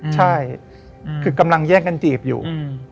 ใช่คือกำลังแย่งกันจีบอยู่